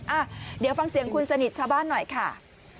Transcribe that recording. อ่ะเดี๋ยวฟังเสียงคุณสนิทชาวบ้านหน่อยค่ะ